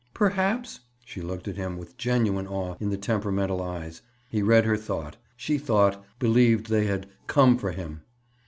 "Perhaps—?" She looked at him with genuine awe in the temperamental eyes. He read her thought; she thought—believed they had "come for him."